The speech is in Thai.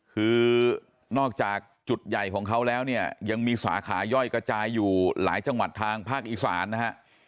คือนอกจากจุดใหญ่ของเขาแล้วเนี่ยยังมีสาขาย่อยกระจายอยู่หลายจังหวัดทางภาคอีสานนะฮะ